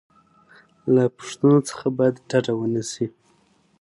له پوښتنو څخه باید ډډه ونه سي.